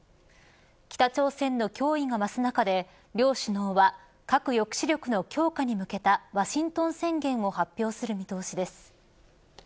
北朝鮮の脅威が増す中で両首脳は核抑止力の強化に向けたワシントン宣言を発表する見通しです。